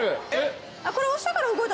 これ。